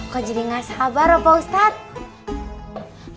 kok jadi gak sabar ya pak ustadz